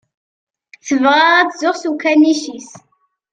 Tebɣa ad tzuxx s ukanic-is.